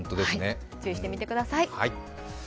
注意してみてください。